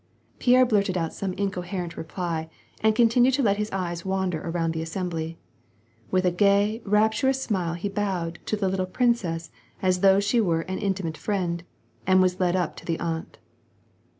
Pierre blurted out some incoherent reply, and continued to let his eyes wander around the assembly. With a gay, rap turous smile he bowed to the little princess as though she were an intimate friend, and was led up to the aunt.